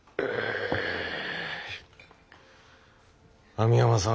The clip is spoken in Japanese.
網浜さん